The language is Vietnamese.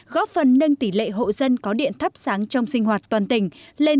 góp phần nâng tỷ lệ hộ dân có điện thắp sáng trong sinh hoạt toàn tỉnh lên chín mươi tám bốn